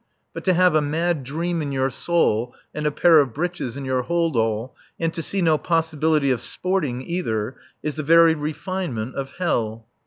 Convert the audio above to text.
But to have a mad dream in your soul and a pair of breeches in your hold all, and to see no possibility of "sporting" either, is the very refinement of hell.